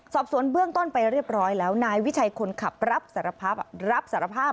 สอบสวนเบื้องต้นไปเรียบร้อยแล้วนายวิชัยคนขับรับสารภาพรับสารภาพ